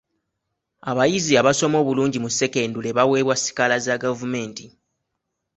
Abayizi abasoma obulungi mu sekendule baweebwa sikaala za gavumenti.